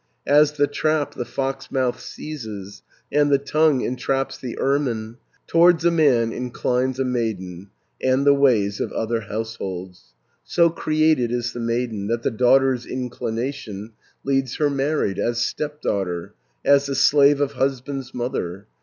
"As the trap the fox mouth seizes, And the tongue entraps the ermine, 520 Towards a man inclines a maiden, And the ways of other households. So created is the maiden, That the daughter's inclination Leads her married, as step daughter, As the slave of husband's mother.